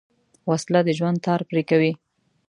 وسله د ژوند تار پرې کوي